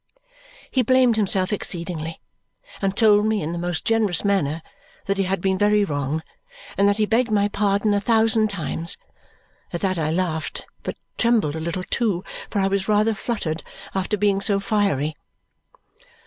He blamed himself exceedingly and told me in the most generous manner that he had been very wrong and that he begged my pardon a thousand times. At that I laughed, but trembled a little too, for I was rather fluttered after being so fiery.